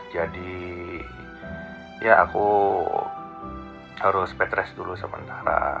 jadi ya aku harus bed rest dulu sementara